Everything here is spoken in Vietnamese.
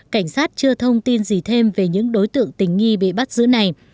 cảnh sát chưa thông tin gì thêm về những đối tượng tình nghi bị bắt giữ này